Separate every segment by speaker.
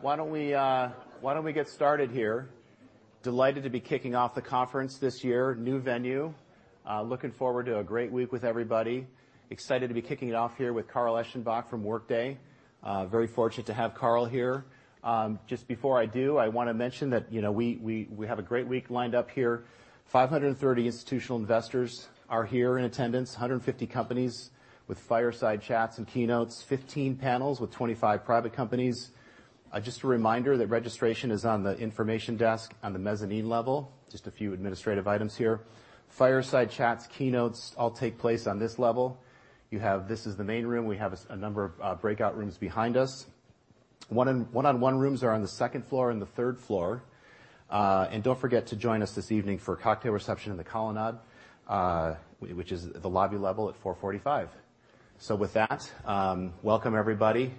Speaker 1: Why don't we get started here? Delighted to be kicking off the conference this year. New venue. Looking forward to a great week with everybody. Excited to be kicking it off here with Carl Eschenbach from Workday. Very fortunate to have Carl here. Just before I do, I wanna mention that, you know, we have a great week lined up here. 530 institutional investors are here in attendance, 150 companies with fireside chats and keynotes, 15 panels with 25 private companies. Just a reminder that registration is on the information desk on the mezzanine level. Just a few administrative items here. Fireside chats, keynotes, all take place on this level. This is the main room. We have a number of breakout rooms behind us. One-on-one rooms are on the second floor and the third floor. Don't forget to join us this evening for a cocktail reception in the colonnade, which is the lobby level, at 4:45 P.M. With that, welcome, everybody.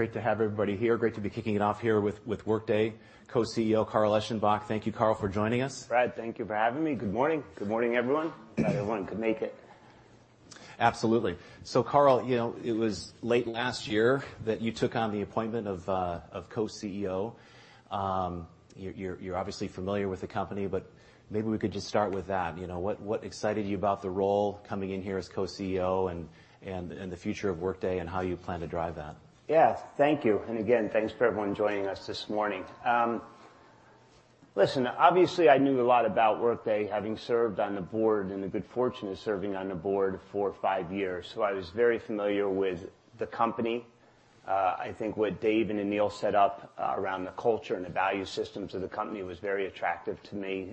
Speaker 1: Great to have everybody here. Great to be kicking it off here with Workday Co-CEO Carl Eschenbach. Thank you, Carl, for joining us.
Speaker 2: Brad, thank you for having me. Good morning. Good morning, everyone. Glad everyone could make it.
Speaker 1: Absolutely. Carl, you know, it was late last year that you took on the appointment of Co-CEO. You're obviously familiar with the company, but maybe we could just start with that. You know, what excited you about the role coming in here as Co-CEO, and the future of Workday, and how you plan to drive that?
Speaker 2: Yeah. Thank you. Again, thanks for everyone joining us this morning. Listen, obviously, I knew a lot about Workday, having served on the board, and the good fortune of serving on the board for five years, so I was very familiar with the company. I think what Dave and Aneel set up around the culture and the value systems of the company was very attractive to me.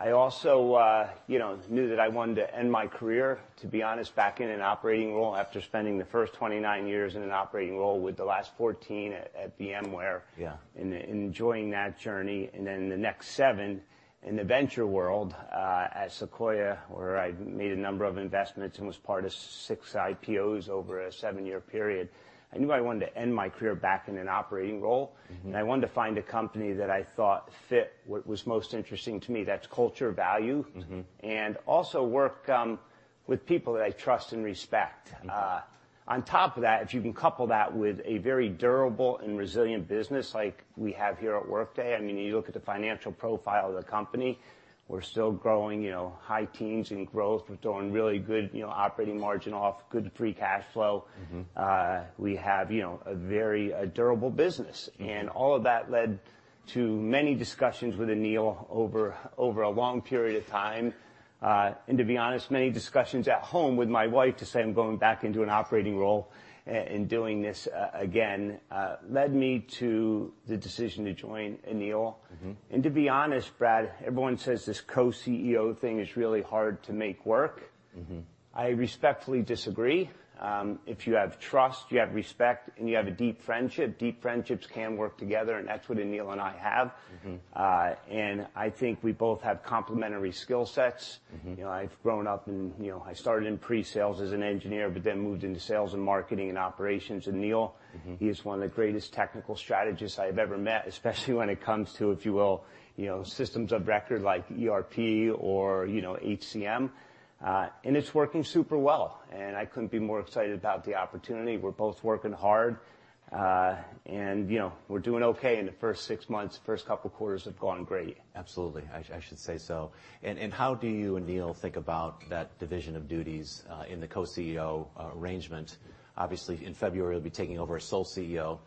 Speaker 1: Mm-hmm.
Speaker 2: I also, you know, knew that I wanted to end my career, to be honest, back in an operating role after spending the first 29 years in an operating role, with the last 14 years at VMware.
Speaker 1: Yeah...
Speaker 2: and enjoying that journey, and then the next seven years in the venture world, at Sequoia, where I made a number of investments and was part of six IPOs over a seven-year period. I knew I wanted to end my career back in an operating role-
Speaker 1: Mm-hmm...
Speaker 2: and I wanted to find a company that I thought fit what was most interesting to me. That's culture, value-
Speaker 1: Mm-hmm...
Speaker 2: and also work, with people that I trust and respect.
Speaker 1: Mm-hmm.
Speaker 2: On top of that, if you can couple that with a very durable and resilient business like we have here at Workday, I mean, you look at the financial profile of the company, we're still growing, you know, high teens in growth. We're doing really good, you know, operating margin off, good free cash flow.
Speaker 1: Mm-hmm.
Speaker 2: We have, you know, a very durable business.
Speaker 1: Mm-hmm.
Speaker 2: All of that led to many discussions with Aneel over a long period of time, and to be honest, many discussions at home with my wife to say I'm going back into an operating role and doing this again, led me to the decision to join Aneel.
Speaker 1: Mm-hmm.
Speaker 2: To be honest, Brad, everyone says this Co-CEO thing is really hard to make work.
Speaker 1: Mm-hmm.
Speaker 2: I respectfully disagree. If you have trust, you have respect, and you have a deep friendship, deep friendships can work together, and that's what Aneel and I have.
Speaker 1: Mm-hmm.
Speaker 2: I think we both have complementary skill sets.
Speaker 1: Mm-hmm.
Speaker 2: You know, I've grown up and, you know, I started in pre-sales as an engineer, but then moved into sales and marketing and operations, and Aneel-.
Speaker 1: Mm-hmm...
Speaker 2: he is one of the greatest technical strategists I've ever met, especially when it comes to, if you will, you know, systems of record like ERP or, you know, HCM. It's working super well, and I couldn't be more excited about the opportunity. We're both working hard, you know, we're doing okay in the first six months. The first couple of quarters have gone great.
Speaker 1: Absolutely. I should say so. How do you and Aneel think about that division of duties in the Co-CEO arrangement? Obviously, in February, you'll be taking over as sole CEO.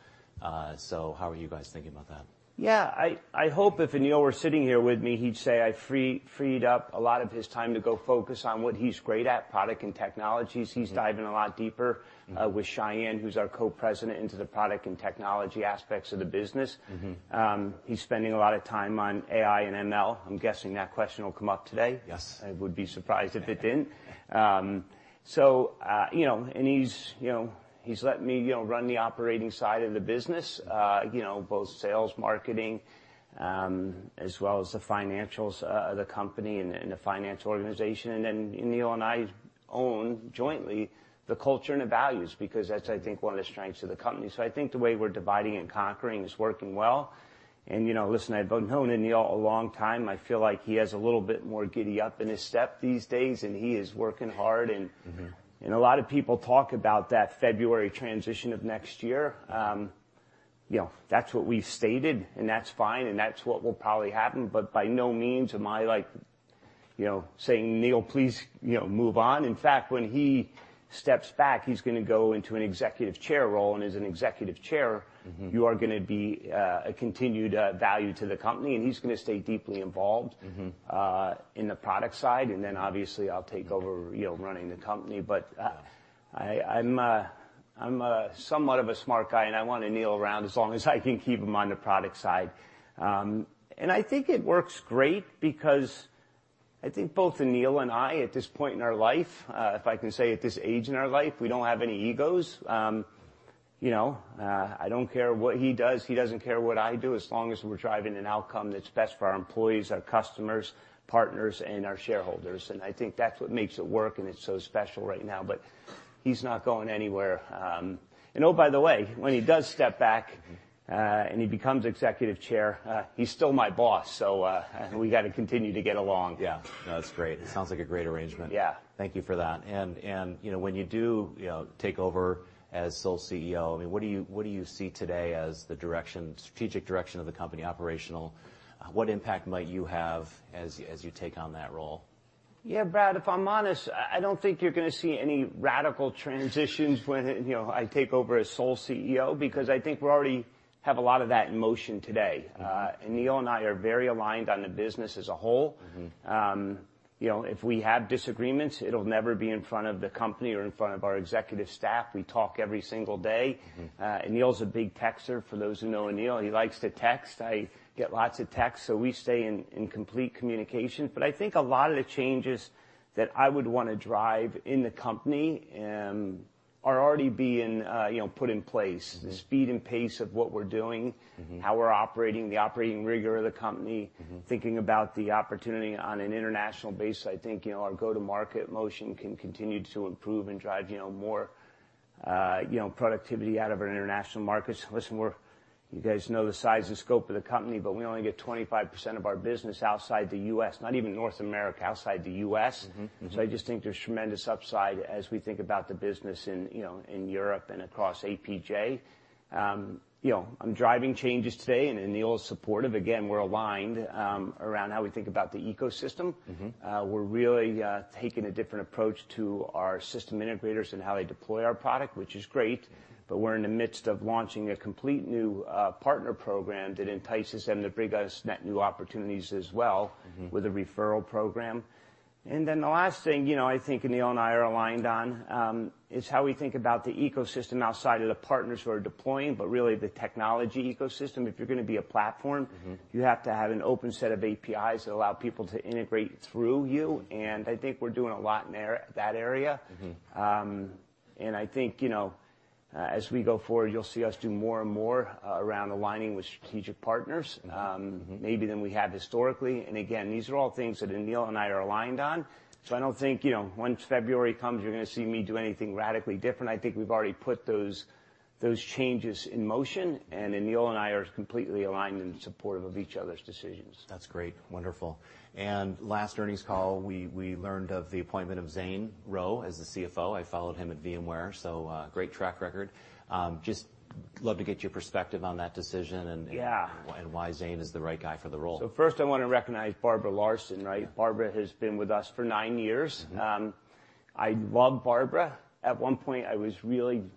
Speaker 1: How are you guys thinking about that?
Speaker 2: Yeah. I hope if Aneel were sitting here with me, he'd say I freed up a lot of his time to go focus on what he's great at, product and technologies.
Speaker 1: Mm-hmm.
Speaker 2: He's diving a lot deeper-
Speaker 1: Mm...
Speaker 2: with Sayan, who's our Co-President, into the Product and Technology aspects of the business.
Speaker 1: Mm-hmm.
Speaker 2: He's spending a lot of time on AI and ML. I'm guessing that question will come up today.
Speaker 1: Yes.
Speaker 2: I would be surprised if it didn't. You know, and he's, you know, he's let me, you know, run the operating side of the business, you know, both sales, marketing, as well as the financials of the company and the finance organization. Aneel and I own jointly the culture and the values because that's, I think, one of the strengths of the company. I think the way we're dividing and conquering is working well. You know, listen, I've known Aneel a long time. I feel like he has a little bit more giddy up in his step these days, and he is working hard.
Speaker 1: Mm-hmm...
Speaker 2: and a lot of people talk about that February transition of next year. you know, that's what we've stated, and that's fine, and that's what will probably happen, but by no means am I like, you know, saying, "Aneel, please, you know, move on." In fact, when he steps back, he's gonna go into an executive chair role.
Speaker 1: Mm-hmm
Speaker 2: You are gonna be a continued value to the company, and he's gonna stay deeply involved-
Speaker 1: Mm-hmm
Speaker 2: ...in the product side, then obviously, I'll take over, you know, running the company. I'm somewhat of a smart guy, and I want Aneel around as long as I can keep him on the product side. I think it works great because I think both Aneel and I, at this point in our life, if I can say, at this age in our life, we don't have any egos. You know, I don't care what he does. He doesn't care what I do, as long as we're driving an outcome that's best for our employees, our customers, partners, and our shareholders, and I think that's what makes it work, and it's so special right now. He's not going anywhere. Oh, by the way, when he does step back... He becomes executive chair. He's still my boss, we gotta continue to get along.
Speaker 1: Yeah. No, that's great. Sounds like a great arrangement.
Speaker 2: Yeah.
Speaker 1: Thank you for that. You know, when you do, you know, take over as sole CEO, I mean, what do you see today as the strategic direction of the company, operational? What impact might you have as you take on that role?
Speaker 2: Yeah, Brad, if I'm honest, I don't think you're gonna see any radical transitions when, you know, I take over as sole CEO, because I think we already have a lot of that in motion today.
Speaker 1: Mm-hmm.
Speaker 2: Aneel and I are very aligned on the business as a whole.
Speaker 1: Mm-hmm.
Speaker 2: You know, if we have disagreements, it'll never be in front of the company or in front of our executive staff. We talk every single day.
Speaker 1: Mm-hmm.
Speaker 2: Aneel's a big texter. For those who know Aneel, he likes to text. I get lots of texts, so we stay in complete communication. I think a lot of the changes that I would wanna drive in the company, are already being, you know, put in place.
Speaker 1: Mm-hmm.
Speaker 2: The speed and pace of what we're doing.
Speaker 1: Mm-hmm
Speaker 2: How we're operating, the operating rigor of the company
Speaker 1: Mm-hmm
Speaker 2: Thinking about the opportunity on an international basis. I think, you know, our go-to-market motion can continue to improve and drive, you know, more, you know, productivity out of our international markets. Listen, you guys know the size and scope of the company, but we only get 25% of our business outside the U.S., not even North America, outside the U.S.
Speaker 1: Mm-hmm. Mm-hmm.
Speaker 2: I just think there's tremendous upside as we think about the business in, you know, in Europe and across APJ. You know, I'm driving changes today, and Aneel is supportive. Again, we're aligned, around how we think about the ecosystem.
Speaker 1: Mm-hmm.
Speaker 2: We're really taking a different approach to our system integrators and how they deploy our product, which is great, but we're in the midst of launching a complete new partner program that entices them to bring us net new opportunities as well-
Speaker 1: Mm-hmm...
Speaker 2: with a referral program. The last thing, you know, I think Aneel and I are aligned on, is how we think about the ecosystem outside of the partners who are deploying, but really the technology ecosystem. If you're gonna be a platform.
Speaker 1: Mm-hmm
Speaker 2: You have to have an open set of APIs that allow people to integrate through you, and I think we're doing a lot in there, that area.
Speaker 1: Mm-hmm.
Speaker 2: I think, you know, as we go forward, you'll see us do more and more, around aligning with strategic partners...
Speaker 1: Mm-hmm...
Speaker 2: maybe than we have historically. Again, these are all things that Aneel and I are aligned on. I don't think, you know, once February comes, you're gonna see me do anything radically different. I think we've already put those changes in motion, and Aneel and I are completely aligned and supportive of each other's decisions.
Speaker 1: That's great. Wonderful. Last earnings call, we learned of the appointment of Zane Rowe as the CFO. I followed him at VMware, so great track record. Just love to get your perspective on that decision.
Speaker 2: Yeah
Speaker 1: Why Zane is the right guy for the role.
Speaker 2: First, I wanna recognize Barbara Larson, right?
Speaker 1: Yeah.
Speaker 2: Barbara has been with us for nine years.
Speaker 1: Mm-hmm.
Speaker 2: I love Barbara. At one point, I was really disappointed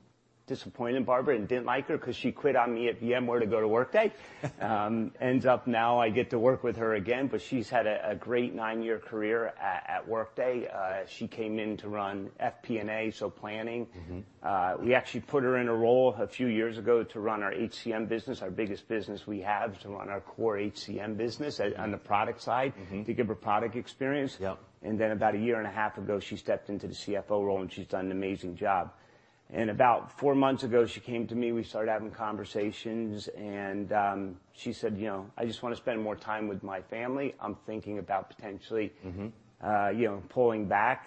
Speaker 2: in Barbara and didn't like her 'cause she quit on me at VMware to go to Workday. Ends up now I get to work with her again, but she's had a great nine-year career at Workday. She came in to run FP&A, so Planning.
Speaker 1: Mm-hmm.
Speaker 2: We actually put her in a role a few years ago to run our HCM business, our biggest business we have, to run our core HCM business on the product side-
Speaker 1: Mm-hmm
Speaker 2: ...to give her product experience.
Speaker 1: Yep.
Speaker 2: About a year and a half ago, she stepped into the CFO role, and she's done an amazing job. About four months ago, she came to me. We started having conversations, and she said, "You know, I just wanna spend more time with my family. I'm thinking about.
Speaker 1: Mm-hmm...
Speaker 2: you know, pulling back."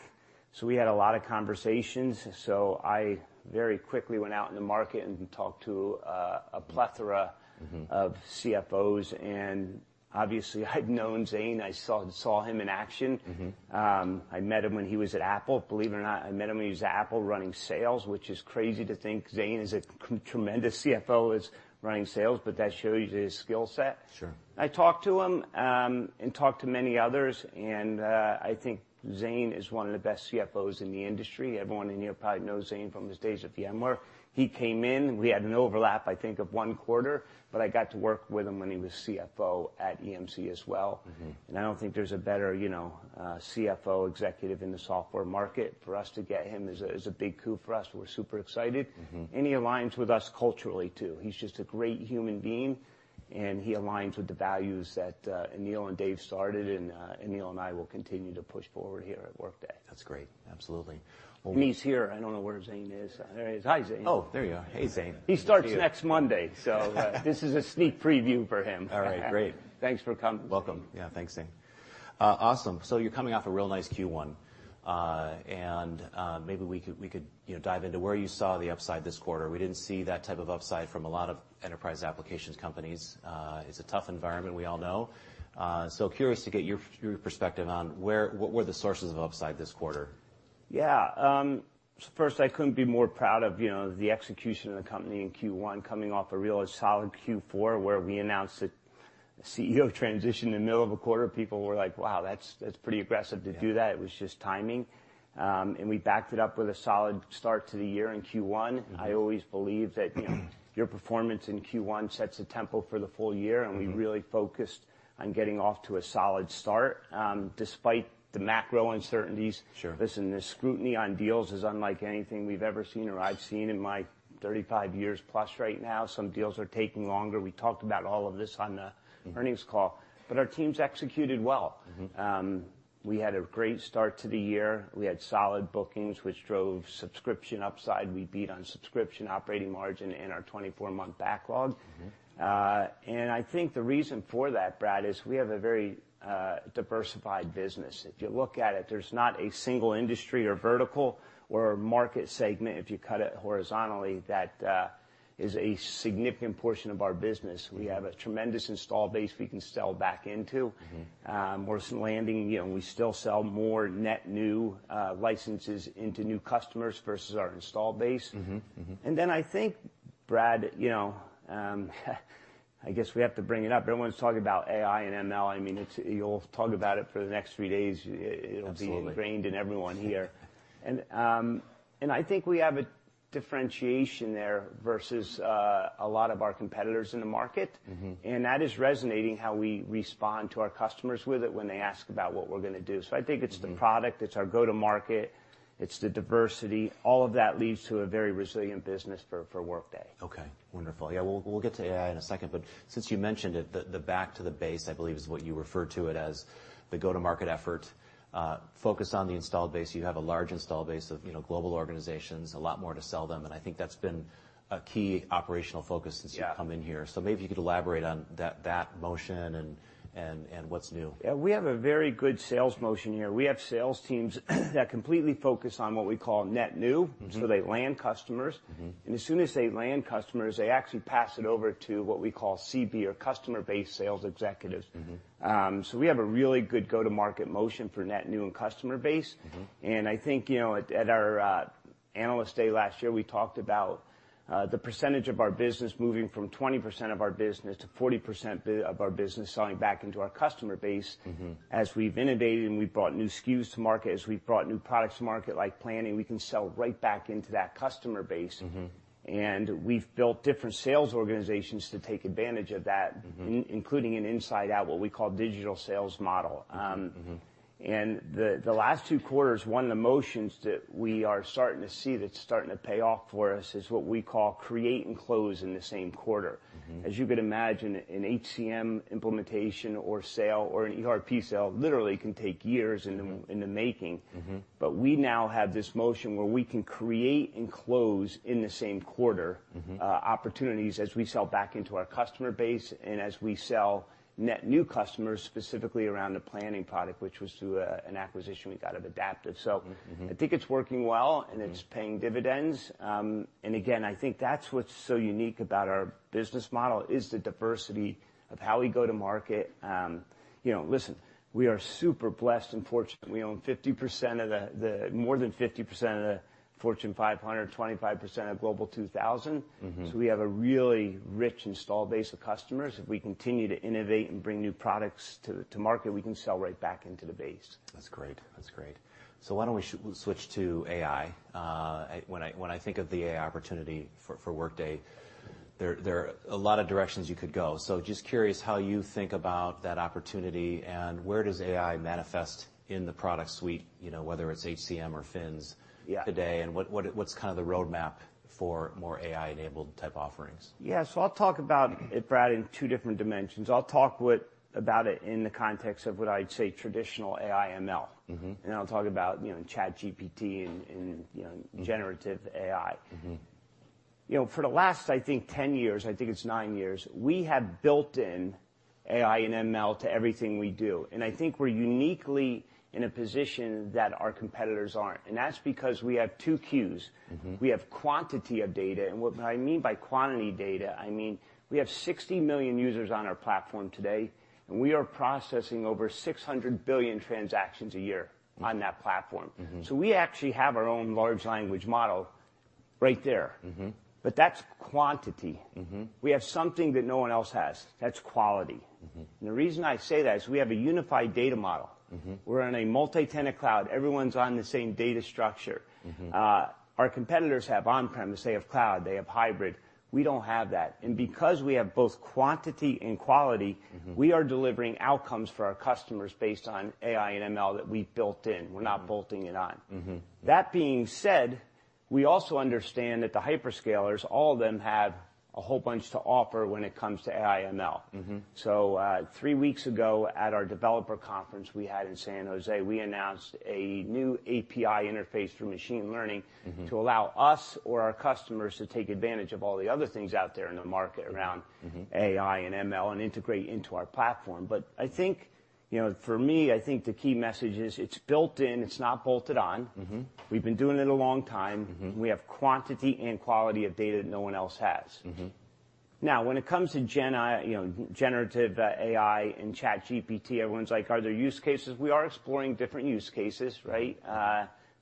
Speaker 2: We had a lot of conversations, so I very quickly went out in the market and talked to, a plethora-
Speaker 1: Mm-hmm...
Speaker 2: of CFOs, and obviously, I'd known Zane. I saw him in action.
Speaker 1: Mm-hmm.
Speaker 2: I met him when he was at Apple. Believe it or not, I met him when he was at Apple, running sales, which is crazy to think Zane, as a tremendous CFO, is running sales. That shows you his skill set.
Speaker 1: Sure.
Speaker 2: I talked to him, and talked to many others, and, I think Zane is one of the best CFOs in the industry. Everyone in here probably knows Zane from his days at VMware. He came in, we had an overlap, I think, of one quarter, but I got to work with him when he was CFO at EMC as well.
Speaker 1: Mm-hmm.
Speaker 2: I don't think there's a better, you know, CFO executive in the software market. For us to get him is a, is a big coup for us, we're super excited.
Speaker 1: Mm-hmm.
Speaker 2: He aligns with us culturally, too. He's just a great human being, and he aligns with the values that Aneel and Dave started, and Aneel and I will continue to push forward here at Workday.
Speaker 1: That's great. Absolutely. Well-
Speaker 2: He's here. I don't know where Zane is. There he is. Hi, Zane.
Speaker 1: Oh, there you are. Hey, Zane.
Speaker 2: He starts next Monday, so, this is a sneak preview for him.
Speaker 1: All right, great.
Speaker 2: Thanks for coming.
Speaker 1: Welcome. Yeah, thanks, Zane. Awesome. You're coming off a real nice Q1. Maybe we could, you know, dive into where you saw the upside this quarter. We didn't see that type of upside from a lot of enterprise applications companies. It's a tough environment, we all know. Curious to get your perspective on what were the sources of upside this quarter?
Speaker 2: First, I couldn't be more proud of, you know, the execution of the company in Q1, coming off a real solid Q4, where we announced the CEO transition in the middle of a quarter. People were like, "Wow, that's pretty aggressive to do that.
Speaker 1: Yeah.
Speaker 2: It was just timing. We backed it up with a solid start to the year in Q1.
Speaker 1: Mm-hmm.
Speaker 2: I always believe that, you know, your performance in Q1 sets the tempo for the full year.
Speaker 1: Mm-hmm
Speaker 2: We really focused on getting off to a solid start, despite the macro uncertainties.
Speaker 1: Sure.
Speaker 2: Listen, the scrutiny on deals is unlike anything we've ever seen or I've seen in my 35 years plus right now. Some deals are taking longer. We talked about all of this on the.
Speaker 1: Mm-hmm...
Speaker 2: earnings call, but our teams executed well.
Speaker 1: Mm-hmm.
Speaker 2: We had a great start to the year. We had solid bookings, which drove subscription upside. We beat on subscription operating margin in our 24-month backlog.
Speaker 1: Mm-hmm.
Speaker 2: I think the reason for that, Brad, is we have a very diversified business. If you look at it, there's not a single industry or vertical or market segment, if you cut it horizontally, that is a significant portion of our business. We have a tremendous install base we can sell back into.
Speaker 1: Mm-hmm.
Speaker 2: You know, we still sell more net new licenses into new customers versus our install base.
Speaker 1: Mm-hmm. Mm-hmm.
Speaker 2: I think, Brad, you know, I guess we have to bring it up. Everyone's talking about AI and ML. I mean, you'll talk about it for the next three days.
Speaker 1: Absolutely
Speaker 2: will be ingrained in everyone here. I think we have a differentiation there versus a lot of our competitors in the market.
Speaker 1: Mm-hmm.
Speaker 2: That is resonating how we respond to our customers with it when they ask about what we're gonna do.
Speaker 1: Mm-hmm.
Speaker 2: I think it's the product, it's our go-to-market, it's the diversity. All of that leads to a very resilient business for Workday.
Speaker 1: Okay, wonderful. Yeah, we'll get to AI in a second. Since you mentioned it, the back to the base, I believe, is what you referred to it as, the go-to-market effort. Focus on the installed base. You have a large installed base of, you know, global organizations, a lot more to sell them, and I think that's been a key operational focus-
Speaker 2: Yeah
Speaker 1: ..since you've come in here. Maybe if you could elaborate on that motion and what's new.
Speaker 2: Yeah, we have a very good sales motion here. We have sales teams that completely focus on what we call net new.
Speaker 1: Mm-hmm.
Speaker 2: They land customers.
Speaker 1: Mm-hmm.
Speaker 2: As soon as they land customers, they actually pass it over to what we call CB, or customer-based sales executives.
Speaker 1: Mm-hmm.
Speaker 2: We have a really good go-to-market motion for net new and customer base.
Speaker 1: Mm-hmm.
Speaker 2: I think, you know, at our analyst day last year, we talked about the percentage of our business moving from 20% of our business to 40% of our business selling back into our customer base.
Speaker 1: Mm-hmm.
Speaker 2: As we've innovated and we've brought new SKUs to market, as we've brought new products to market, like Planning, we can sell right back into that customer base.
Speaker 1: Mm-hmm.
Speaker 2: We've built different sales organizations to take advantage of that-
Speaker 1: Mm-hmm...
Speaker 2: including an inside out, what we call digital sales model.
Speaker 1: Mm-hmm...
Speaker 2: and the last two quarters, one of the motions that we are starting to see that's starting to pay off for us is what we call create and close in the same quarter.
Speaker 1: Mm-hmm.
Speaker 2: As you could imagine, an HCM implementation or sale or an ERP sale literally can take years in the-
Speaker 1: Mm-hmm...
Speaker 2: in the making.
Speaker 1: Mm-hmm.
Speaker 2: We now have this motion where we can create and close in the same quarter-
Speaker 1: Mm-hmm
Speaker 2: ...opportunities as we sell back into our customer base and as we sell net new customers, specifically around the Planning product, which was through an acquisition we got of Adaptive.
Speaker 1: Mm-hmm.
Speaker 2: I think it's working well.
Speaker 1: Mm...
Speaker 2: and it's paying dividends. Again, I think that's what's so unique about our business model is the diversity of how we go to market. You know, listen, we are super blessed and fortunate. We own more than 50% of the Fortune 500, 25% of Global 2000.
Speaker 1: Mm-hmm.
Speaker 2: We have a really rich install base of customers. If we continue to innovate and bring new products to market, we can sell right back into the base.
Speaker 1: That's great. That's great. Why don't we switch to AI? When I think of the AI opportunity for Workday, there are a lot of directions you could go. Just curious how you think about that opportunity, and where does AI manifest in the product suite, you know, whether it's HCM or Financials-
Speaker 2: Yeah...
Speaker 1: today, what's kind of the roadmap for more AI-enabled type offerings?
Speaker 2: Yeah, I'll talk about it, Brad, in two different dimensions. I'll talk about it in the context of what I'd say traditional AI, ML.
Speaker 1: Mm-hmm.
Speaker 2: I'll talk about, you know, ChatGPT and, you know.
Speaker 1: Mm
Speaker 2: generative AI.
Speaker 1: Mm-hmm.
Speaker 2: You know, for the last, I think, 10 years, I think it's nine years, we have built in AI and ML to everything we do, and I think we're uniquely in a position that our competitors aren't. That's because we have two Qs.
Speaker 1: Mm-hmm.
Speaker 2: We have quantity of data, and what I mean by quantity data, I mean we have 60 million users on our platform today, and we are processing over 600 billion transactions a year on that platform.
Speaker 1: Mm-hmm.
Speaker 2: We actually have our own large language model right there.
Speaker 1: Mm-hmm.
Speaker 2: That's quantity.
Speaker 1: Mm-hmm.
Speaker 2: We have something that no one else has. That's quality.
Speaker 1: Mm-hmm.
Speaker 2: The reason I say that is we have a unified data model.
Speaker 1: Mm-hmm.
Speaker 2: We're on a multi-tenant cloud. Everyone's on the same data structure.
Speaker 1: Mm-hmm.
Speaker 2: Our competitors have on-premise, they have cloud, they have hybrid. We don't have that. Because we have both quantity and quality-
Speaker 1: Mm-hmm...
Speaker 2: we are delivering outcomes for our customers based on AI and ML that we built in.
Speaker 1: Mm-hmm.
Speaker 2: We're not bolting it on.
Speaker 1: Mm-hmm.
Speaker 2: That being said, we also understand that the hyperscalers, all of them have a whole bunch to offer when it comes to AI, ML.
Speaker 1: Mm-hmm.
Speaker 2: Three weeks ago, at our Developer Conference we had in San Jose, we announced a new API interface for machine learning-
Speaker 1: Mm-hmm
Speaker 2: ...to allow us or our customers to take advantage of all the other things out there in the market around-
Speaker 1: Mm-hmm
Speaker 2: ...AI and ML and integrate into our platform. I think, you know, for me, I think the key message is, it's built in, it's not bolted on.
Speaker 1: Mm-hmm.
Speaker 2: We've been doing it a long time.
Speaker 1: Mm-hmm.
Speaker 2: We have quantity and quality of data that no one else has.
Speaker 1: Mm-hmm.
Speaker 2: Now, when it comes to you know, generative AI and ChatGPT, everyone's like: Are there use cases? We are exploring different use cases, right,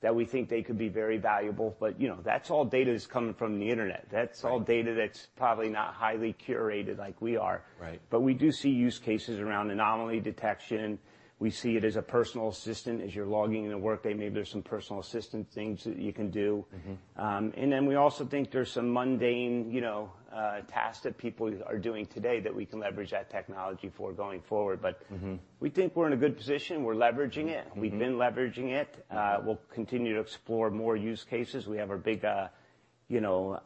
Speaker 2: that we think they could be very valuable, but, you know, that's all data that's coming from the internet.
Speaker 1: Right.
Speaker 2: That's all data that's probably not highly curated like we are.
Speaker 1: Right.
Speaker 2: We do see use cases around anomaly detection. We see it as a personal assistant. As you're logging into Workday, maybe there's some personal assistant things that you can do.
Speaker 1: Mm-hmm.
Speaker 2: We also think there's some mundane, you know, tasks that people are doing today that we can leverage that technology for going forward, but-.
Speaker 1: Mm-hmm...
Speaker 2: we think we're in a good position. We're leveraging it.
Speaker 1: Mm-hmm.
Speaker 2: We've been leveraging it. We'll continue to explore more use cases. We have our big, you know,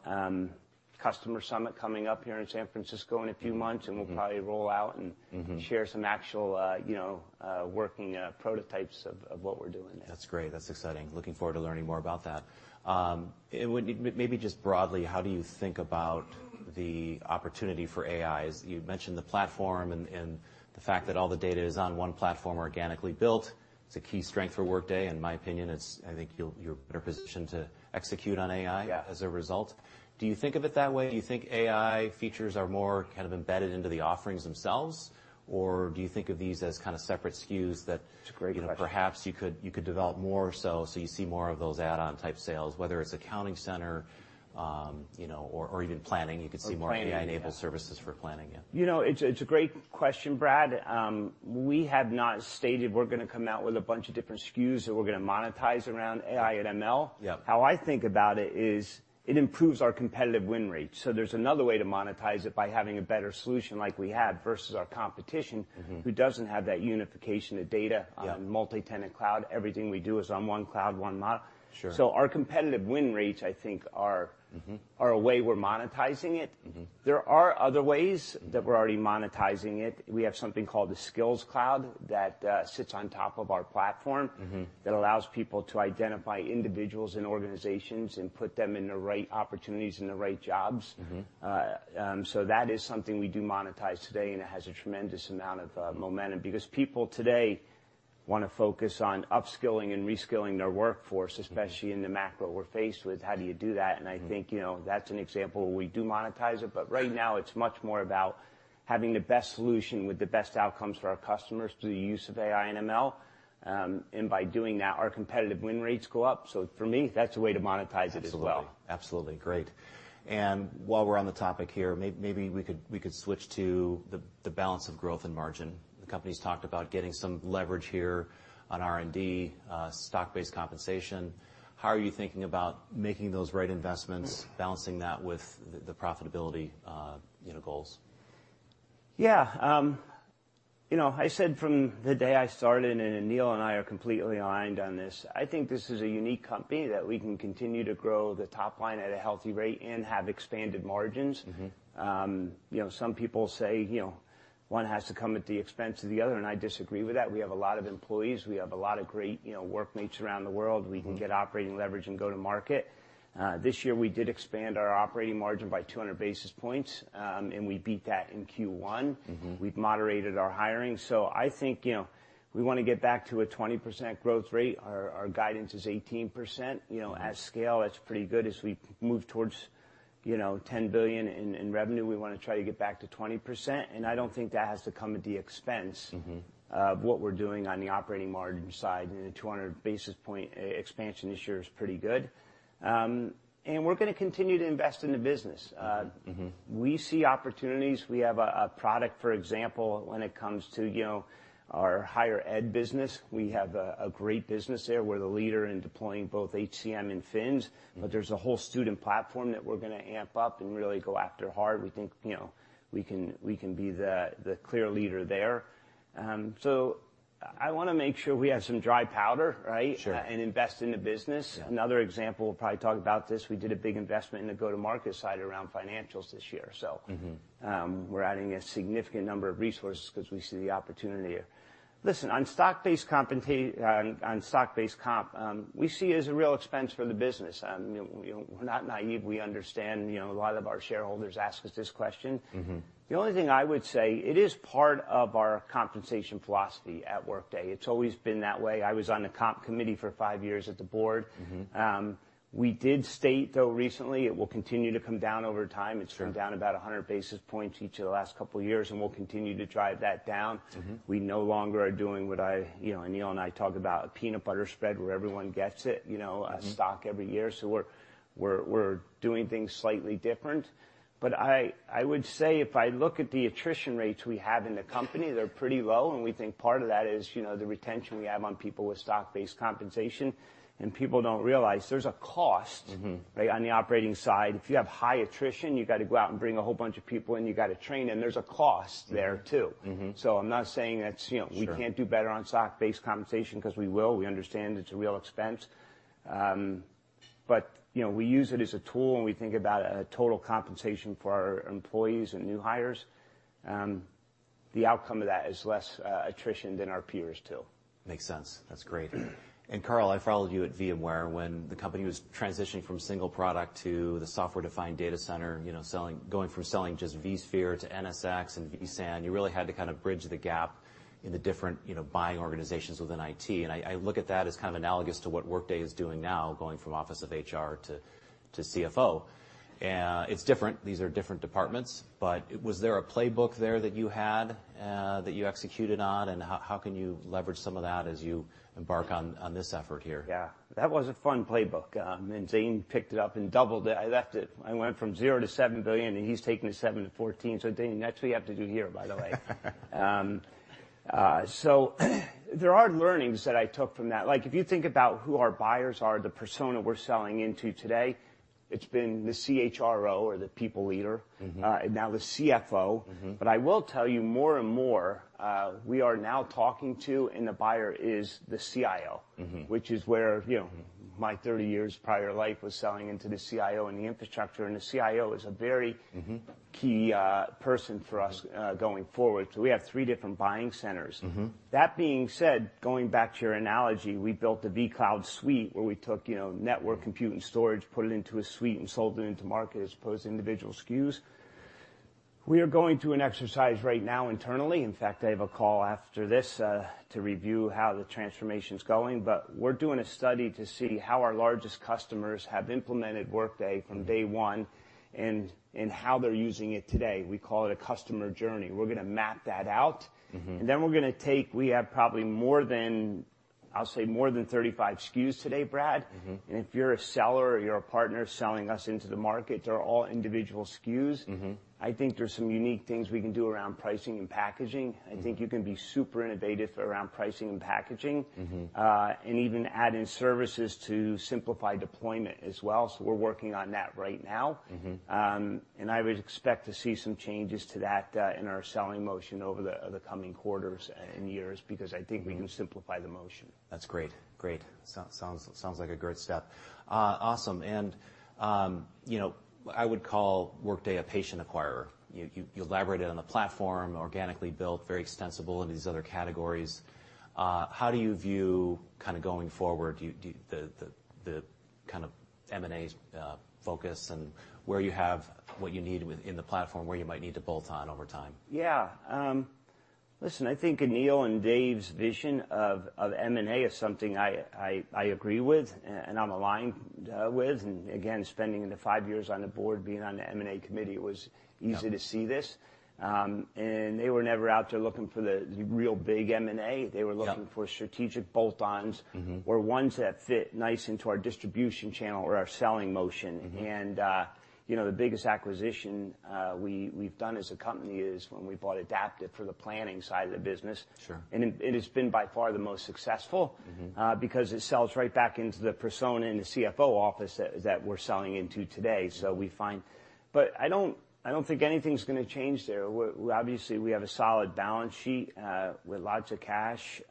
Speaker 2: customer summit coming up here in San Francisco in a few months.
Speaker 1: Mm-hmm, mm-hmm
Speaker 2: And we'll probably roll out.
Speaker 1: Mm-hmm
Speaker 2: Share some actual, you know, working prototypes of what we're doing there.
Speaker 1: That's great. That's exciting. Looking forward to learning more about that. Maybe just broadly, how do you think about the opportunity for AI? You've mentioned the platform and the fact that all the data is on one platform organically built. It's a key strength for Workday, in my opinion, it's, I think you're better positioned to execute on AI-
Speaker 2: Yeah
Speaker 1: ...as a result. Do you think of it that way? Do you think AI features are more kind of embedded into the offerings themselves, or do you think of these as kind of separate SKUs that-
Speaker 2: It's a great question....
Speaker 1: you know, perhaps you could develop more so you see more of those add-on type sales, whether it's Accounting Center, you know, or even Planning.
Speaker 2: Planning
Speaker 1: You could see more AI-enabled services for Planning, yeah.
Speaker 2: You know, it's a great question, Brad. We have not stated we're gonna come out with a bunch of different SKUs that we're gonna monetize around AI and ML.
Speaker 1: Yeah.
Speaker 2: How I think about it is, it improves our competitive win rate, so there's another way to monetize it by having a better solution like we have versus our competition-
Speaker 1: Mm-hmm...
Speaker 2: who doesn't have that unification of data-
Speaker 1: Yeah...
Speaker 2: on multi-tenant cloud. Everything we do is on one cloud, one model. Our competitive win rates, I think-
Speaker 1: Mm-hmm....
Speaker 2: are a way we're monetizing it.
Speaker 1: Mm-hmm.
Speaker 2: There are other ways.
Speaker 1: Mm.
Speaker 2: That we're already monetizing it. We have something called the Skills Cloud that sits on top of our platform-
Speaker 1: Mm-hmm...
Speaker 2: that allows people to identify individuals and organizations and put them in the right opportunities and the right jobs.
Speaker 1: Mm-hmm.
Speaker 2: That is something we do monetize today, and it has a tremendous amount of momentum because people today want to focus on upskilling and reskilling their workforce-
Speaker 1: Mm-hmm...
Speaker 2: especially in the macro we're faced with. How do you do that?
Speaker 1: Mm-hmm.
Speaker 2: I think, you know, that's an example where we do monetize it, but right now it's much more about having the best solution with the best outcomes for our customers through the use of AI and ML. By doing that, our competitive win rates go up, so for me, that's a way to monetize it as well.
Speaker 1: Absolutely. Absolutely. Great. While we're on the topic here, maybe we could switch to the balance of growth and margin. The company's talked about getting some leverage here on R&D, stock-based compensation. How are you thinking about making those right investments, balancing that with the profitability, you know, goals?
Speaker 2: Yeah. you know, I said from the day I started, and Aneel and I are completely aligned on this, I think this is a unique company that we can continue to grow the top line at a healthy rate and have expanded margins.
Speaker 1: Mm-hmm.
Speaker 2: You know, some people say, you know, one has to come at the expense of the other, and I disagree with that. We have a lot of employees. We have a lot of great, you know, workmates around the world.
Speaker 1: Mm-hmm.
Speaker 2: We can get operating leverage and go to market. This year we did expand our operating margin by 200 basis points. We beat that in Q1.
Speaker 1: Mm-hmm.
Speaker 2: We've moderated our hiring, I think, you know, we want to get back to a 20% growth rate. Our guidance is 18%. You know.
Speaker 1: Mm-hmm...
Speaker 2: at scale, that's pretty good. As we move towards, you know, $10 billion in revenue, we want to try to get back to 20%. I don't think that has to come at the expense.
Speaker 1: Mm-hmm...
Speaker 2: of what we're doing on the operating margin side. You know, the 200 basis point expansion this year is pretty good. We're gonna continue to invest in the business.
Speaker 1: Mm-hmm.
Speaker 2: We see opportunities. We have a product, for example, when it comes to, you know, our higher ed business, we have a great business there. We're the leader in deploying both HCM and Financials.
Speaker 1: Mm-hmm.
Speaker 2: There's a whole student platform that we're gonna amp up and really go after hard. We think, you know, we can be the clear leader there. I wanna make sure we have some dry powder, right?
Speaker 1: Sure.
Speaker 2: Invest in the business.
Speaker 1: Yeah.
Speaker 2: Another example, we'll probably talk about this, we did a big investment in the go-to-market side around Financials this year.
Speaker 1: Mm-hmm
Speaker 2: We're adding a significant number of resources 'cause we see the opportunity there. Listen, on stock-based comp, we see it as a real expense for the business. You know, we're not naive. We understand, you know, a lot of our shareholders ask us this question.
Speaker 1: Mm-hmm.
Speaker 2: The only thing I would say, it is part of our compensation philosophy at Workday. It's always been that way. I was on the comp committee for five years at the board.
Speaker 1: Mm-hmm.
Speaker 2: We did state, though, recently, it will continue to come down over time.
Speaker 1: Sure.
Speaker 2: It's come down about 100 basis points each of the last couple of years, and we'll continue to drive that down.
Speaker 1: Mm-hmm.
Speaker 2: We no longer are doing what. You know, Aneel and I talk about a peanut butter spread, where everyone gets it, you know-
Speaker 1: Mm-hmm...
Speaker 2: a stock every year. We're doing things slightly different. I would say, if I look at the attrition rates we have in the company, they're pretty low, and we think part of that is, you know, the retention we have on people with stock-based compensation. People don't realize there's a cost-
Speaker 1: Mm-hmm
Speaker 2: ...right, on the operating side. If you have high attrition, you've got to go out and bring a whole bunch of people in, you've got to train them, and there's a cost there, too.
Speaker 1: Mm-hmm. Mm-hmm.
Speaker 2: I'm not saying that's, you know.
Speaker 1: Sure...
Speaker 2: we can't do better on stock-based compensation, 'cause we will. We understand it's a real expense. You know, we use it as a tool, and we think about a total compensation for our employees and new hires. The outcome of that is less attrition than our peers, too.
Speaker 1: Makes sense. That's great. Carl, I followed you at VMware when the company was transitioning from single product to the software-defined data center, you know, going from selling just vSphere to NSX and vSAN. You really had to kind of bridge the gap in the different, you know, buying organizations within IT, and I look at that as kind of analogous to what Workday is doing now, going from office of HR to CFO. It's different. These are different departments, but was there a playbook there that you had that you executed on? How can you leverage some of that as you embark on this effort here?
Speaker 2: Yeah. That was a fun playbook. Zane picked it up and doubled it. I went from zero to $7 billion, and he's taken it from $7 billion to $14 billion, so Zane, that's what you have to do here, by the way. There are learnings that I took from that. Like, if you think about who our buyers are, the persona we're selling into today, it's been the CHRO or the people leader.
Speaker 1: Mm-hmm
Speaker 2: now the CFO.
Speaker 1: Mm-hmm.
Speaker 2: I will tell you more and more, we are now talking to, and the buyer is the CIO.
Speaker 1: Mm-hmm.
Speaker 2: You know, my 30 years prior life was selling into the CIO and the infrastructure. The CIO is a very-
Speaker 1: Mm-hmm...
Speaker 2: key person for us going forward. We have 3 different buying centers.
Speaker 1: Mm-hmm.
Speaker 2: That being said, going back to your analogy, we built a vCloud Suite, where we took, you know, network, compute, and storage, put it into a suite, and sold it into market as opposed to individual SKUs. We are going through an exercise right now internally, in fact, I have a call after this, to review how the transformation's going, but we're doing a study to see how our largest customers have implemented Workday from day one-
Speaker 1: Mm...
Speaker 2: and how they're using it today. We call it a customer journey. We're gonna map that out.
Speaker 1: Mm-hmm.
Speaker 2: We have probably more than, I'll say more than 35 SKUs today, Brad.
Speaker 1: Mm-hmm.
Speaker 2: If you're a seller or you're a partner selling us into the market, they're all individual SKUs.
Speaker 1: Mm-hmm.
Speaker 2: I think there's some unique things we can do around pricing and packaging.
Speaker 1: Mm-hmm.
Speaker 2: I think you can be super innovative around pricing and packaging.
Speaker 1: Mm-hmm
Speaker 2: Even add in services to simplify deployment as well, so we're working on that right now.
Speaker 1: Mm-hmm.
Speaker 2: I would expect to see some changes to that, in our selling motion over the coming quarters and years.
Speaker 1: Mm-hmm
Speaker 2: We can simplify the motion.
Speaker 1: That's great. Great. Sounds like a great step. Awesome. You know, I would call Workday a patient acquirer. You elaborated on the platform, organically built, very extensible in these other categories. How do you view, kind of, going forward, the kind of M&A focus and where you have what you need in the platform, where you might need to bolt on over time?
Speaker 2: Yeah. Listen, I think Aneel and Dave's vision of M&A is something I agree with and I'm aligned with. Again, spending the five years on the board, being on the M&A committee.
Speaker 1: Yeah...
Speaker 2: easy to see this. They were never out there looking for the real big M&A.
Speaker 1: Yeah.
Speaker 2: They were looking for strategic bolt-ons.
Speaker 1: Mm-hmm
Speaker 2: Ones that fit nice into our distribution channel or our selling motion.
Speaker 1: Mm-hmm.
Speaker 2: You know, the biggest acquisition we've done as a company is when we bought Adaptive for the planning side of the business.
Speaker 1: Sure.
Speaker 2: It has been by far the most successful-
Speaker 1: Mm-hmm
Speaker 2: ...because it sells right back into the persona in the CFO office that we're selling into today-
Speaker 1: Mm-hmm....
Speaker 2: so we find. I don't think anything's gonna change there. Obviously, we have a solid balance sheet, with lots of cash.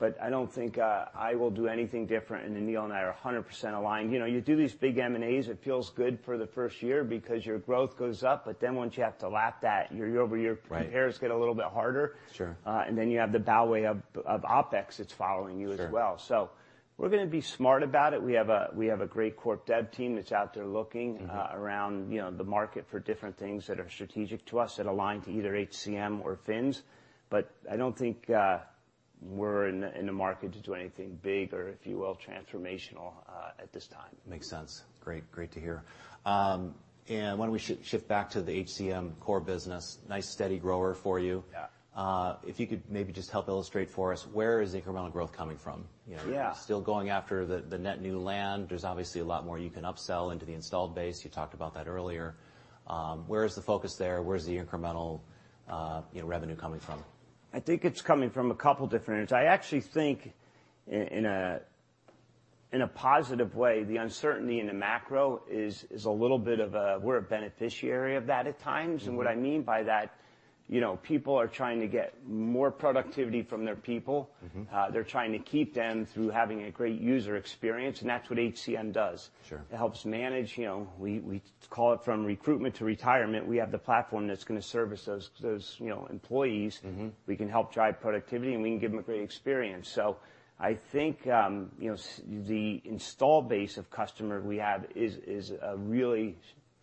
Speaker 1: Mm-hmm
Speaker 2: I don't think, I will do anything different, and Aneel and I are 100% aligned. You know, you do these big M&As, it feels good for the first year because your growth goes up, but then once you have to lap that, your year-over-year-
Speaker 1: Right...
Speaker 2: comparables get a little bit harder.
Speaker 1: Sure.
Speaker 2: Then you have the bow wave of OpEx that's following you as well.
Speaker 1: Sure.
Speaker 2: We're gonna be smart about it. We have a great corp dev team that's out there looking-
Speaker 1: Mm-hmm...
Speaker 2: around, you know, the market for different things that are strategic to us, that align to either HCM or Fins. I don't think we're in the, in the market to do anything big or, if you will, transformational at this time.
Speaker 1: Makes sense. Great. Great to hear. Why don't we shift back to the HCM core business? Nice, steady grower for you.
Speaker 2: Yeah.
Speaker 1: If you could maybe just help illustrate for us, where is incremental growth coming from? You know-
Speaker 2: Yeah...
Speaker 1: still going after the net new land. There's obviously a lot more you can upsell into the installed base. You talked about that earlier. Where is the focus there? Where is the incremental, you know, revenue coming from?
Speaker 2: I think it's coming from a couple different areas. I actually think in a positive way, the uncertainty in the macro is a little bit. We're a beneficiary of that at times.
Speaker 1: Mm-hmm.
Speaker 2: What I mean by that, you know, people are trying to get more productivity from their people.
Speaker 1: Mm-hmm.
Speaker 2: They're trying to keep them through having a great user experience, and that's what HCM does.
Speaker 1: Sure.
Speaker 2: It helps manage, you know. We call it from recruitment to retirement, we have the platform that's gonna service those, you know, employees.
Speaker 1: Mm-hmm.
Speaker 2: We can help drive productivity, and we can give them a great experience. I think, you know, the install base of customer we have is a really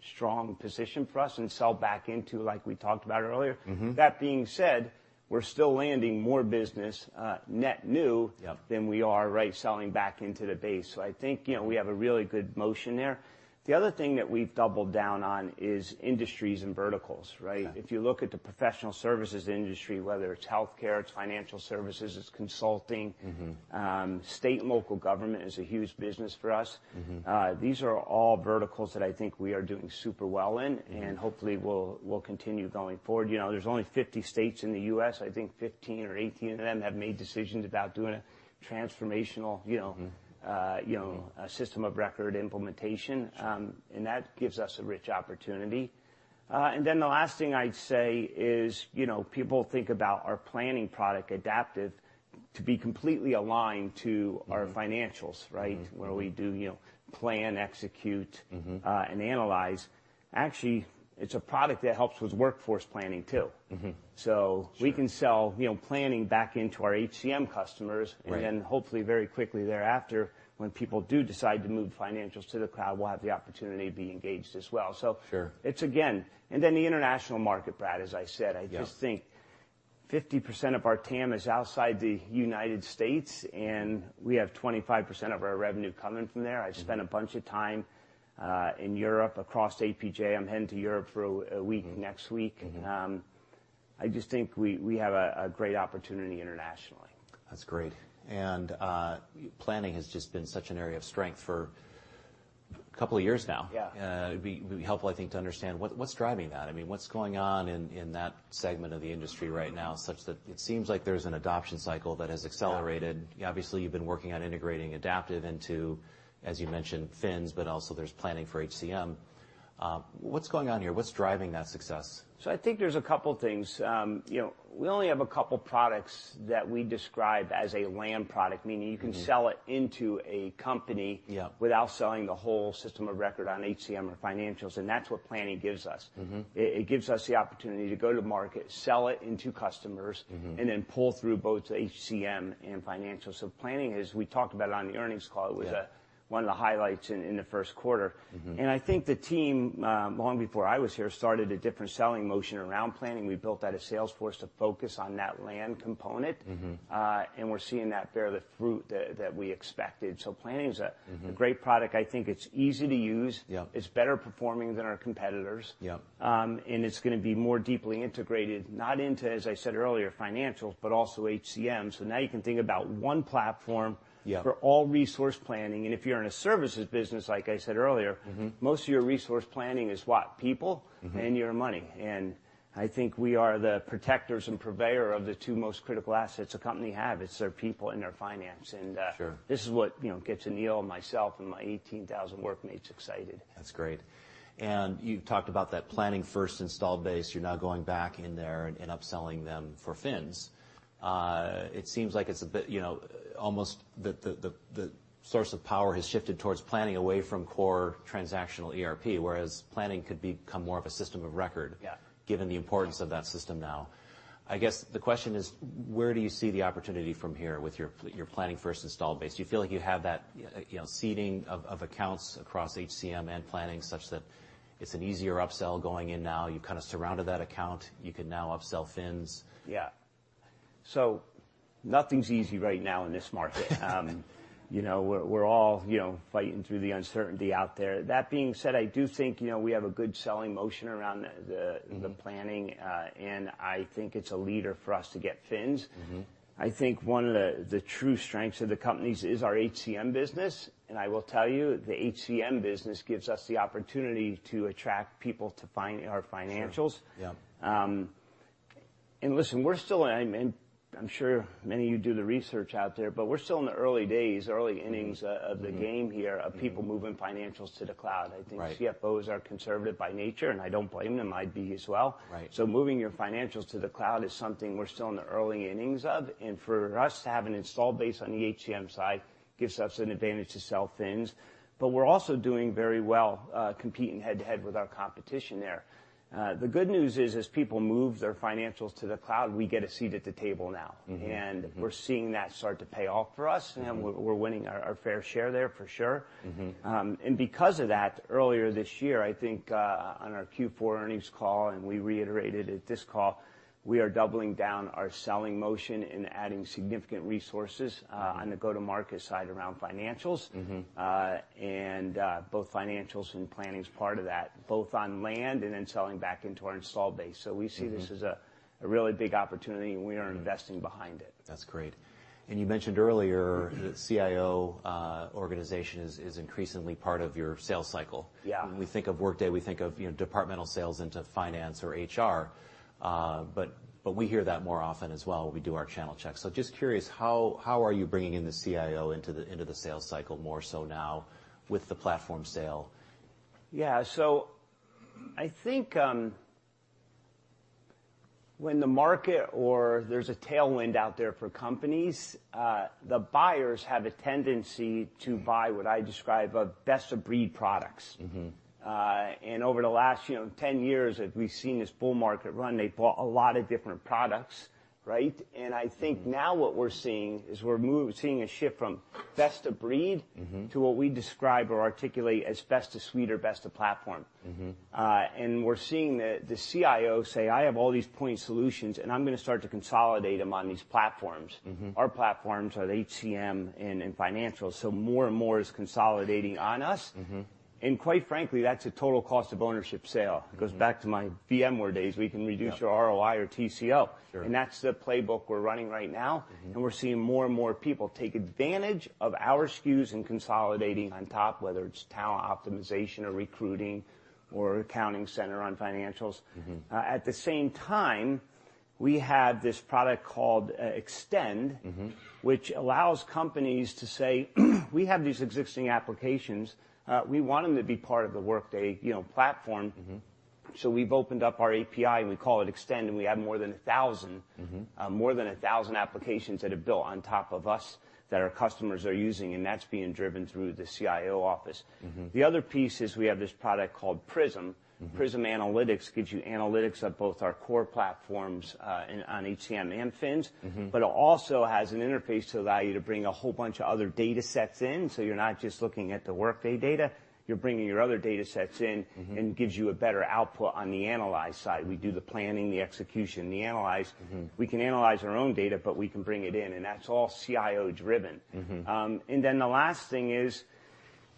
Speaker 2: strong position for us and sell back into, like we talked about earlier.
Speaker 1: Mm-hmm.
Speaker 2: That being said, we're still landing more business, net new-
Speaker 1: Yeah...
Speaker 2: than we are, right, selling back into the base. I think, you know, we have a really good motion there. The other thing that we've doubled down on is industries and verticals, right?
Speaker 1: Yeah.
Speaker 2: If you look at the professional services industry, whether it's healthcare, it's financial services, it's consulting-
Speaker 1: Mm-hmm...
Speaker 2: state and local government is a huge business for us.
Speaker 1: Mm-hmm.
Speaker 2: These are all verticals that I think we are doing super well.
Speaker 1: Mm-hmm
Speaker 2: Hopefully will continue going forward. You know, there's only 50 states in the U.S. I think 15 or 18 of them have made decisions about doing a transformational, you know-
Speaker 1: Mm...
Speaker 2: you know, system of record implementation.
Speaker 1: Sure.
Speaker 2: That gives us a rich opportunity. The last thing I'd say is, you know, people think about our Planning product, Adaptive, to be completely aligned.
Speaker 1: Mm-hmm...
Speaker 2: our financials, right?
Speaker 1: Mm-hmm.
Speaker 2: Where we do, you know, plan, execute-
Speaker 1: Mm-hmm...
Speaker 2: and analyze. Actually, it's a product that helps with workforce planning, too.
Speaker 1: Mm-hmm.
Speaker 2: So-
Speaker 1: Sure...
Speaker 2: we can sell, you know, Planning back into our HCM customers.
Speaker 1: Right.
Speaker 2: Hopefully very quickly thereafter, when people do decide to move Financials to the cloud, we'll have the opportunity to be engaged as well.
Speaker 1: Sure
Speaker 2: The international market, Brad, as I said.
Speaker 1: Yeah...
Speaker 2: I just think 50% of our TAM is outside the United States, and we have 25% of our revenue coming from there.
Speaker 1: Mm-hmm.
Speaker 2: I spent a bunch of time, in Europe, across APJ. I'm heading to Europe for a week.
Speaker 1: Mm-hmm...
Speaker 2: next week.
Speaker 1: Mm-hmm.
Speaker 2: I just think we have a great opportunity internationally.
Speaker 1: That's great. Planning has just been such an area of strength for a couple of years now.
Speaker 2: Yeah.
Speaker 1: It'd be helpful, I think, to understand what's driving that? I mean, what's going on in that segment of the industry right now, such that it seems like there's an adoption cycle that has accelerated.
Speaker 2: Yeah.
Speaker 1: Obviously, you've been working on integrating Adaptive into, as you mentioned, Fins, but also there's Planning for HCM. What's going on here? What's driving that success?
Speaker 2: I think there's a couple things. You know, we only have a couple products that we describe as a land product.
Speaker 1: Mm-hmm
Speaker 2: You can sell it into a company-
Speaker 1: Yeah...
Speaker 2: without selling the whole system of record on HCM or Financials. That's what Planning gives us.
Speaker 1: Mm-hmm.
Speaker 2: It gives us the opportunity to go to market, sell it into customers.
Speaker 1: Mm-hmm
Speaker 2: ...and then pull through both HCM and Financial. Planning is, we talked about it on the earnings call.
Speaker 1: Yeah
Speaker 2: It was, one of the highlights in the first quarter.
Speaker 1: Mm-hmm.
Speaker 2: I think the team, long before I was here, started a different selling motion around Planning. We built out a sales force to focus on that land component.
Speaker 1: Mm-hmm.
Speaker 2: We're seeing that bear the fruit that we expected. Planning is-
Speaker 1: Mm-hmm
Speaker 2: a great product. I think it's easy to use.
Speaker 1: Yeah.
Speaker 2: It's better performing than our competitors.
Speaker 1: Yeah.
Speaker 2: It's gonna be more deeply integrated, not into, as I said earlier, Financials, but also HCM. Now you can think about one platform-
Speaker 1: Yeah ...
Speaker 2: for all resource planning. If you're in a services business, like I said earlier.
Speaker 1: Mm-hmm
Speaker 2: Most of your resource planning is what? People-
Speaker 1: Mm-hmm
Speaker 2: Your money, I think we are the protectors and purveyor of the two most critical assets a company have. It's their people and their finance.
Speaker 1: Sure
Speaker 2: This is what, you know, gets Aneel, and myself, and my 18,000 workmates excited.
Speaker 1: That's great. You talked about that planning first install base. You're now going back in there and upselling them for Fins. It seems like it's a bit, you know, almost the source of power has shifted towards planning away from core transactional ERP, whereas planning could become more of a system of record-
Speaker 2: Yeah...
Speaker 1: given the importance of that system now. I guess the question is, where do you see the opportunity from here with your planning first install base? Do you feel like you have that, you know, seeding of accounts across HCM and Planning, such that it's an easier upsell going in now? You've kind of surrounded that account. You can now upsell Fins.
Speaker 2: Yeah. Nothing's easy right now in this market. You know, we're all, you know, fighting through the uncertainty out there. That being said, I do think, you know, we have a good selling motion around-
Speaker 1: Mm-hmm...
Speaker 2: the Planning, and I think it's a leader for us to get Financials.
Speaker 1: Mm-hmm.
Speaker 2: I think one of the true strengths of the companies is our HCM business. I will tell you, the HCM business gives us the opportunity to attract people to our Financials.
Speaker 1: Sure. Yeah.
Speaker 2: Listen, we're still, and I'm sure many of you do the research out there, but we're still in the early days, early innings-
Speaker 1: Mm-hmm, mm-hmm...
Speaker 2: of the game here, of people moving Financials to the cloud.
Speaker 1: Right.
Speaker 2: I think CFOs are conservative by nature, and I don't blame them. I'd be as well.
Speaker 1: Right.
Speaker 2: Moving your Financials to the cloud is something we're still in the early innings of, and for us to have an install base on the HCM side gives us an advantage to sell Fins. We're also doing very well, competing head-to-head with our competition there. The good news is, as people move their Financials to the cloud, we get a seat at the table now.
Speaker 1: Mm-hmm, mm-hmm.
Speaker 2: We're seeing that start to pay off for us.
Speaker 1: Mm-hmm.
Speaker 2: We're winning our fair share there, for sure.
Speaker 1: Mm-hmm.
Speaker 2: Because of that, earlier this year, I think, on our Q4 earnings call, and we reiterated at this call, we are doubling down our selling motion and adding significant resources, on the go-to-market side around Financials.
Speaker 1: Mm-hmm.
Speaker 2: Both Financials and Planning is part of that, both on land and then selling back into our install base.
Speaker 1: Mm-hmm.
Speaker 2: We see this as a really big opportunity, and we are investing behind it.
Speaker 1: That's great. You mentioned earlier that CIO organization is increasingly part of your sales cycle.
Speaker 2: Yeah.
Speaker 1: When we think of Workday, we think of, you know, departmental sales into finance or HR, but we hear that more often as well when we do our channel checks. Just curious, how are you bringing in the CIO into the sales cycle more so now with the platform sale?
Speaker 2: Yeah. I think, when the market or there's a tailwind out there for companies, the buyers have a tendency to buy what I describe are best-of-breed products.
Speaker 1: Mm-hmm.
Speaker 2: Over the last, you know, 10 years that we've seen this bull market run, they've bought a lot of different products, right?
Speaker 1: Mm-hmm.
Speaker 2: I think now what we're seeing is we're seeing a shift from best of breed...
Speaker 1: Mm-hmm...
Speaker 2: to what we describe or articulate as best-of-suite or best of platform.
Speaker 1: Mm-hmm.
Speaker 2: We're seeing the CIO say, "I have all these point solutions, and I'm gonna start to consolidate them on these platforms.
Speaker 1: Mm-hmm.
Speaker 2: Our platforms are the HCM and Financials, so more and more is consolidating on us.
Speaker 1: Mm-hmm.
Speaker 2: Quite frankly, that's a total cost of ownership sale.
Speaker 1: Mm-hmm.
Speaker 2: It goes back to my VMware days.
Speaker 1: Yeah.
Speaker 2: We can reduce your ROI or TCO.
Speaker 1: Sure.
Speaker 2: That's the playbook we're running right now.
Speaker 1: Mm-hmm.
Speaker 2: We're seeing more and more people take advantage of our SKUs and consolidating on top, whether it's talent optimization or recruiting or Accounting Center on Financials.
Speaker 1: Mm-hmm.
Speaker 2: At the same time, we have this product called Extend-
Speaker 1: Mm-hmm...
Speaker 2: which allows companies to say, "We have these existing applications. We want them to be part of the Workday, you know, platform."
Speaker 1: Mm-hmm.
Speaker 2: We've opened up our API, and we call it Extend, and we have more than 1,000-.
Speaker 1: Mm-hmm
Speaker 2: more than 1,000 applications that are built on top of us that our customers are using. That's being driven through the CIO office.
Speaker 1: Mm-hmm.
Speaker 2: The other piece is we have this product called Prism.
Speaker 1: Mm-hmm.
Speaker 2: Prism Analytics gives you analytics on both our core platforms, and on HCM and Fins.
Speaker 1: Mm-hmm
Speaker 2: It also has an interface to allow you to bring a whole bunch of other data sets in, so you're not just looking at the Workday data. You're bringing your other data sets in-
Speaker 1: Mm-hmm
Speaker 2: ...gives you a better output on the analyze side. We do the planning, the execution, the analyze.
Speaker 1: Mm-hmm.
Speaker 2: We can analyze our own data, but we can bring it in, and that's all CIO driven.
Speaker 1: Mm-hmm.
Speaker 2: The last thing is,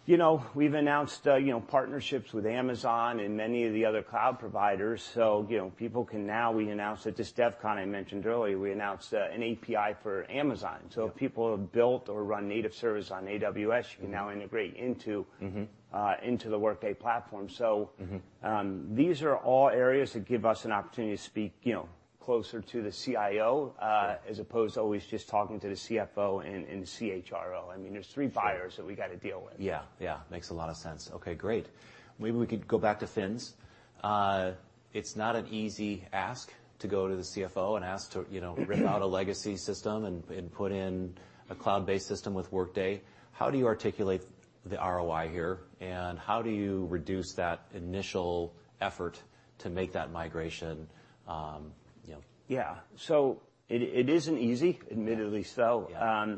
Speaker 2: you know, we've announced, you know, partnerships with Amazon and many of the other cloud providers. We announced at this DevCon I mentioned earlier, an API for Amazon.
Speaker 1: Yeah.
Speaker 2: People who have built or run native service on AWS.
Speaker 1: Mm-hmm
Speaker 2: You can now integrate-
Speaker 1: Mm-hmm...
Speaker 2: into the Workday platform.
Speaker 1: Mm-hmm.
Speaker 2: These are all areas that give us an opportunity to speak, you know, closer to the CIO, as opposed to always just talking to the CFO and CHRO. I mean, there's three buyers-
Speaker 1: Sure
Speaker 2: ...that we gotta deal with.
Speaker 1: Yeah, yeah. Makes a lot of sense. Okay, great. Maybe we could go back to Fins. It's not an easy ask to go to the CFO and ask to, you know rip out a legacy system and put in a cloud-based system with Workday. How do you articulate the ROI here, and how do you reduce that initial effort to make that migration, you know?
Speaker 2: Yeah. It isn't easy, admittedly so.
Speaker 1: Yeah.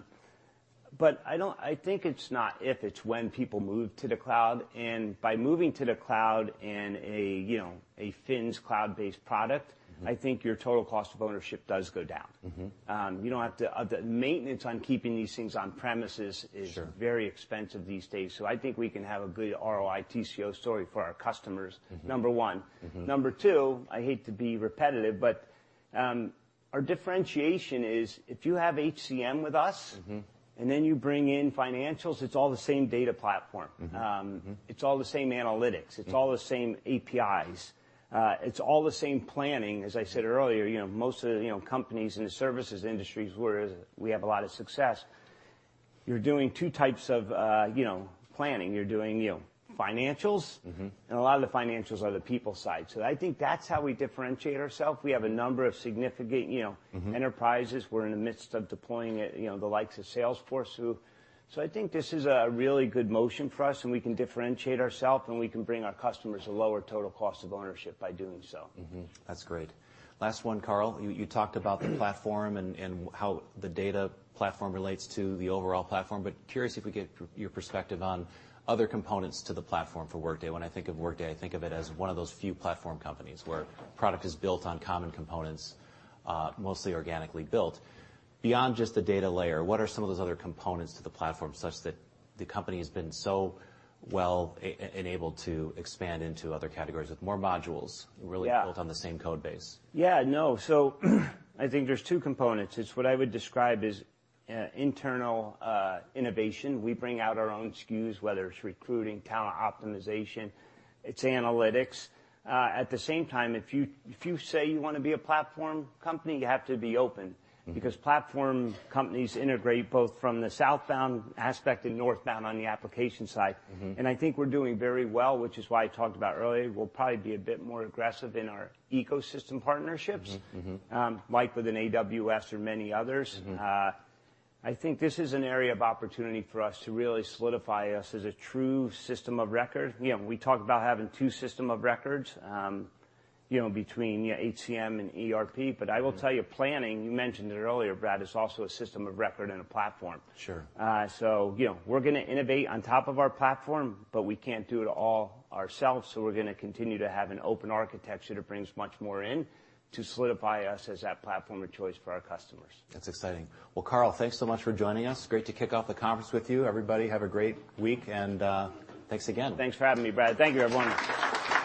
Speaker 2: I think it's not if, it's when people move to the cloud, and by moving to the cloud in a, you know, a Financials cloud-based product-
Speaker 1: Mm-hmm....
Speaker 2: I think your total cost of ownership does go down.
Speaker 1: Mm-hmm.
Speaker 2: You don't have to. The maintenance on keeping these things on premises.
Speaker 1: Sure
Speaker 2: very expensive these days. I think we can have a good ROI TCO story for our customers.
Speaker 1: Mm-hmm
Speaker 2: Number one.
Speaker 1: Mm-hmm.
Speaker 2: Number two, I hate to be repetitive, but, our differentiation is, if you have HCM with us...
Speaker 1: Mm-hmm
Speaker 2: You bring in Financials, it's all the same data platform.
Speaker 1: Mm-hmm. Mm-hmm.
Speaker 2: It's all the same analytics.
Speaker 1: Mm-hmm.
Speaker 2: It's all the same APIs. It's all the same planning. As I said earlier, you know, most of the, you know, companies in the services industries, where we have a lot of success, you're doing two types of, you know, planning. You're doing, you know, Financials-
Speaker 1: Mm-hmm...
Speaker 2: and a lot of the Financials are the people side. I think that's how we differentiate ourself. We have a number of significant, you know-
Speaker 1: Mm-hmm...
Speaker 2: enterprises. We're in the midst of deploying it, you know, the likes of Salesforce. I think this is a really good motion for us, and we can differentiate ourself, and we can bring our customers a lower total cost of ownership by doing so.
Speaker 1: That's great. Last one, Carl. You talked about the platform and how the data platform relates to the overall platform, curious if we get your perspective on other components to the platform for Workday. When I think of Workday, I think of it as one of those few platform companies, where product is built on common components, mostly organically built. Beyond just the data layer, what are some of those other components to the platform, such that the company has been so well enabled to expand into other categories with more modules-
Speaker 2: Yeah...
Speaker 1: really built on the same code base?
Speaker 2: Yeah. No, I think there's two components. It's what I would describe as internal innovation. We bring out our own SKUs, whether it's recruiting, talent optimization, it's analytics. At the same time, if you say you want to be a platform company, you have to be open.
Speaker 1: Mm-hmm.
Speaker 2: Platform companies integrate both from the southbound aspect and northbound on the application side.
Speaker 1: Mm-hmm.
Speaker 2: I think we're doing very well, which is why I talked about earlier, we'll probably be a bit more aggressive in our ecosystem partnerships.
Speaker 1: Mm-hmm, mm-hmm
Speaker 2: Like with an AWS or many others.
Speaker 1: Mm-hmm.
Speaker 2: I think this is an area of opportunity for us to really solidify us as a true system of record. You know, we talk about having two system of records, you know, between HCM and ERP.
Speaker 1: Mm-hmm.
Speaker 2: I will tell you, Planning, you mentioned it earlier, Brad, is also a system of record and a platform.
Speaker 1: Sure.
Speaker 2: You know, we're gonna innovate on top of our platform, but we can't do it all ourselves, so we're gonna continue to have an open architecture that brings much more in to solidify us as that platform of choice for our customers.
Speaker 1: That's exciting. Well, Carl, thanks so much for joining us. Great to kick off the conference with you. Everybody, have a great week, and thanks again.
Speaker 2: Thanks for having me, Brad. Thank you, everyone.